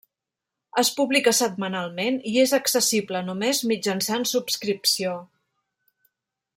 Es publica setmanalment i és accessible només mitjançant subscripció.